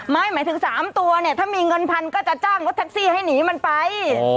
หมายถึง๓ตัวเนี่ยถ้ามีเงินพันก็จะจ้างรถแท็กซี่ให้หนีมันไป